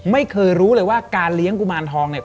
ไม่เคยรู้เลยว่าการเลี้ยงกุมารทองเนี่ย